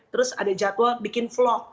terus ada jadwal bikin vlog